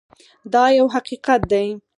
دا یو حقیقت دی.